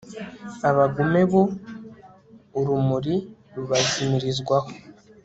abagome bo, urumuri rubazimirizwaho